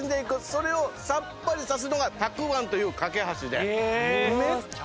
それをさっぱりさせるのがたくあんという架け橋で。